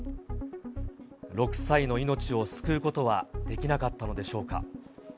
６歳の命を救うことはできなかったのでしょうか。